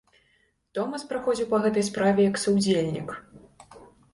Томас праходзіў па гэтай справе як саўдзельнік.